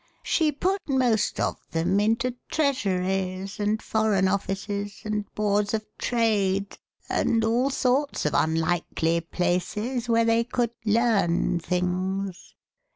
She put most of them into Treasuries and Foreign Offices and Boards of 57 The Westminster Alice Trade, and all sorts of unlikely places where they could learn things."